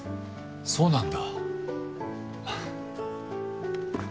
そうなんだ。